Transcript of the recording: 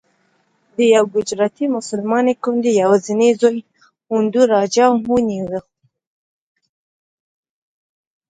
د یوې ګجراتي مسلمانې کونډې یوازینی زوی هندو راجا ونیو.